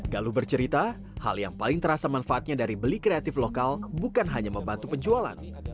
galuh bercerita hal yang paling terasa manfaatnya dari beli kreatif lokal bukan hanya membantu penjualan